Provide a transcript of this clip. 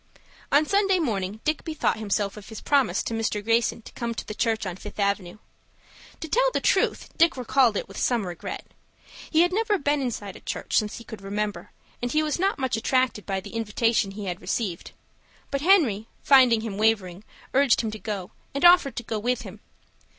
On Sunday morning Dick bethought himself of his promise to Mr. Greyson to come to the church on Fifth Avenue. To tell the truth, Dick recalled it with some regret. He had never been inside a church since he could remember, and he was not much attracted by the invitation he had received. But Henry, finding him wavering, urged him to go, and offered to go with him.